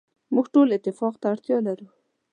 موږ ټول اتفاق ته اړتیا لرو.